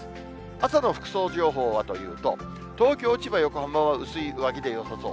朝の服装情報はというと、東京、千葉、横浜は薄い上着でよさそう。